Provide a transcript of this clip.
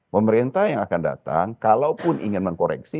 pemerintah yang akan datang kalaupun ingin mengkoreksi